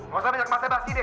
gak usah banyak ngebahas deh